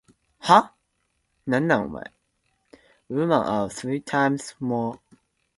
Women are three times more likely than men to have a congenital Chiari malformation.